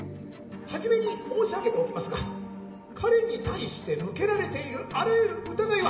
初めに申し上げておきますが彼に対して向けられているあらゆる疑いは。